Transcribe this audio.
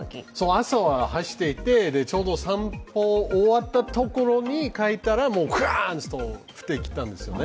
朝は走っていて、ちょうど散歩が終わったところに、帰ったらガーンと降ってきたんですね。